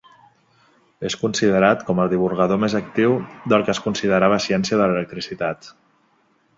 És considerat com el divulgador més actiu del que es considerava ciència de l'electricitat.